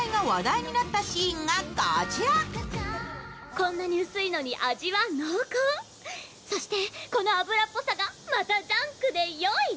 こんなに薄いのに味は濃厚そしてこの油っぽさが、またジャンクでよい。